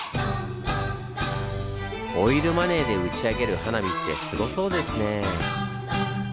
オイルマネーで打ち上げる花火ってすごそうですね。